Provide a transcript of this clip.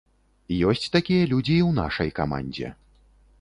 Ёсць такія людзі і ў нашай камандзе.